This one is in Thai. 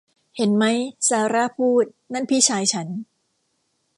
เห็นมั้ย ซาร่าพูด นั่นพี่ชายฉัน